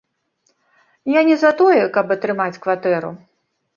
Я не за тое, каб атрымаць кватэру.